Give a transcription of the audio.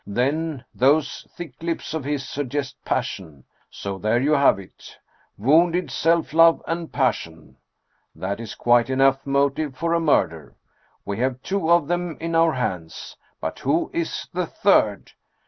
Then, those thick lips of his suggest passion. So there you have it: wounded self love and passion. That is quite enough motive for a murder. We have two of them in our hands ; but who is the third